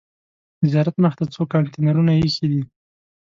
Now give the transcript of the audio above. د زیارت مخې ته څو کانتینرونه ایښي دي.